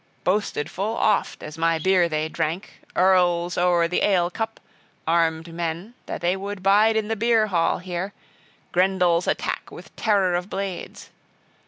Boasted full oft, as my beer they drank, earls o'er the ale cup, armed men, that they would bide in the beer hall here, Grendel's attack with terror of blades.